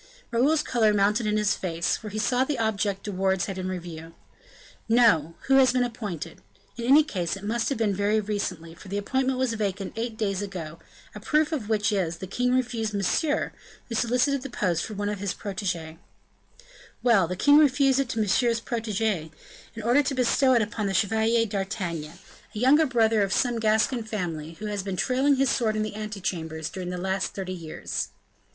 Raoul's color mounted in his face; for he saw the object De Wardes had in view. "No; who has been appointed? In any case it must have been very recently, for the appointment was vacant eight days ago; a proof of which is, that the king refused Monsieur, who solicited the post for one of his proteges." "Well, the king refused it to Monsieur's protege, in order to bestow it upon the Chevalier d'Artagnan, a younger brother of some Gascon family, who has been trailing his sword in the ante chambers during the last thirty years."